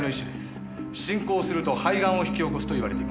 進行すると肺がんを引き起こすといわれています。